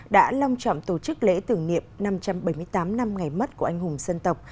đã long trọng tổ chức lễ tưởng niệm năm trăm bảy mươi tám năm ngày mất của anh hùng dân tộc